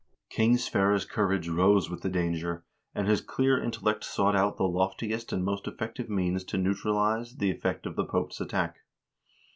King Sverre's courage rose with the danger, and his clear intellect sought out the loftiest and most effective means to neutralize the effect of the Pope's attack.